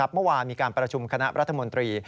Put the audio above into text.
เมื่อวานมีการประชุมคณะรัฐมนตรี